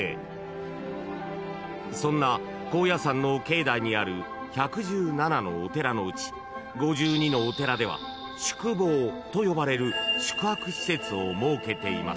［そんな高野山の境内にある１１７のお寺のうち５２のお寺では宿坊と呼ばれる宿泊施設を設けています］